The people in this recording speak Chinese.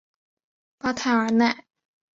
巴泰尔奈。